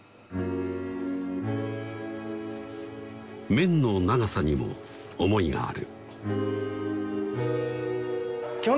麺の長さにも思いがある